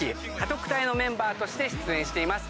特対のメンバーとして出演しています。